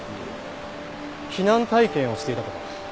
避難体験をしていたと。